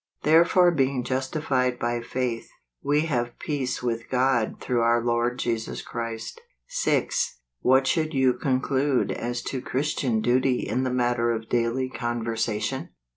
Therefore being justified by faith, ice have peace with God through our Lord Jesus Christ ." 6. What should you conclude as to Christian duty in the matter of daily con¬ versation